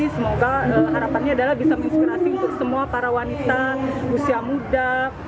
semoga harapannya adalah bisa menginspirasi untuk semua para wanita usia muda